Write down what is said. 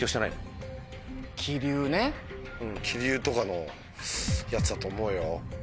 気流とかのやつだと思うよ。